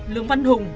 lương văn hùng